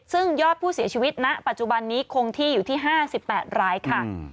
ซึ่งยอดผู้เสียชีวิตณปัจจุบันนี้คงที่อยู่ที่๕๘รายค่ะ